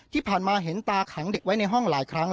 ที่ผ่านมาเห็นตาขังเด็กไว้ในห้องหลายครั้ง